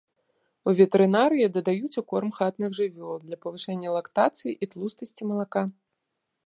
У ветэрынарыі дадаюць у корм хатніх жывёл для павышэння лактацыі і тлустасці малака.